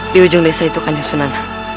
di ujung desa itu kanjeng sunan